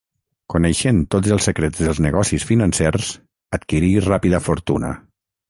Coneixent tots els secrets dels negocis financers, adquirí ràpida fortuna.